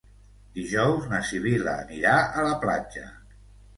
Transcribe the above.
Dijous na Sibil·la anirà a la platja.